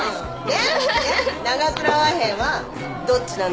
えっ？